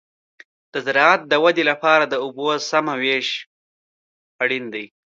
د زراعت د ودې لپاره د اوبو سمه وېش اړین دی.